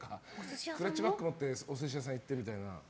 クラッチバッグ持ってお寿司屋さん行ってみたいな。